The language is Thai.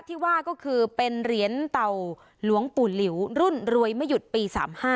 ที่ว่าก็คือเป็นเหรียญเต่าหลวงปู่หลิวรุ่นรวยไม่หยุดปี๓๕